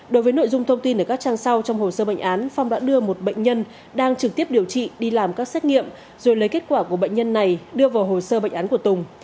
đối với nội dung thông tin ở các trang sau trong hồ sơ bệnh án phong đã đưa một bệnh nhân đang trực tiếp điều trị đi làm các xét nghiệm rồi lấy kết quả của bệnh nhân này đưa vào hồ sơ bệnh án của tùng